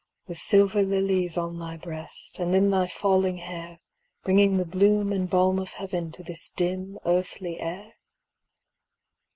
With silver lilies on thy breast, And in thy falling hair. Bringing the bloom and balm of heaven To this dim, earthly air